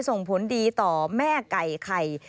ส่งผลดีต่อแม่ไก่ไข่